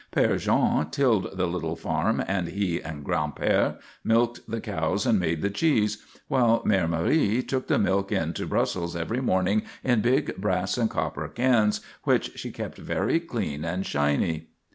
Père Jean tilled the little farm and he and Gran'père milked the cows and made the cheese, while Mère Marie took the milk in to Brussels every morning in big brass and copper cans which she kept very clean and shiny.